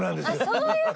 そういう事？